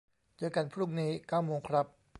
เจอกันพรุ่งนี้ เก้าโมงครับ